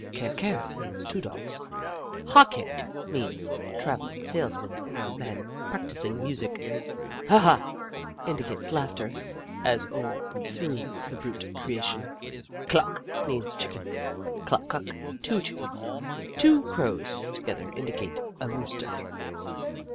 Ker Ker means two dogs. Haw Ker means travelling salesman or man practising music. Ha Ha indicates laughter, as all through the brute creation. Cluck means Chicken, Cluck Cluck two Chickens. Two Crows together indicate a Rooster.